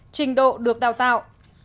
trình độ được đào tạo